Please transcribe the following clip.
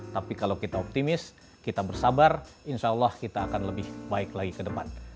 tapi kalau kita optimis kita bersabar insya allah kita akan lebih baik lagi ke depan